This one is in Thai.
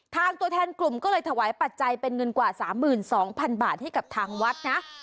ตัวแทนกลุ่มก็เลยถวายปัจจัยเป็นเงินกว่า๓๒๐๐๐บาทให้กับทางวัดนะ